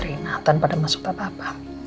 rena tanpa ada masalah apa apa